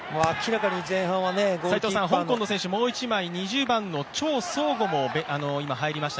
香港の選手、２０番のチョウ・ソウゴも今、入りました。